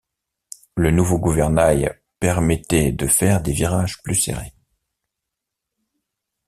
Le nouveau gouvernail permettait de faire des virages plus serrés.